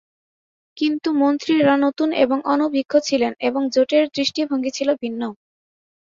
কিন্তু মন্ত্রীরা নতুন এবং অনভিজ্ঞ ছিলেন এবং জোটের দৃষ্টিভঙ্গি ছিল ভিন্ন।